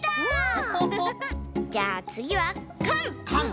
じゃあつぎはかん！